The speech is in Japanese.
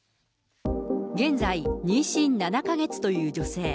現在、妊娠７か月という女性。